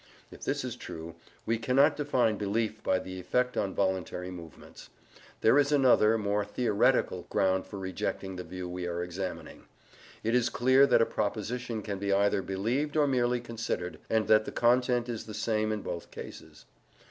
If this is true, we cannot define belief by the effect on voluntary movements. There is another, more theoretical, ground for rejecting the view we are examining. It is clear that a proposition can be either believed or merely considered, and that the content is the same in both cases.